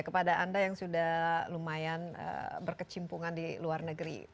kepada anda yang sudah lumayan berkecimpungan di luar negeri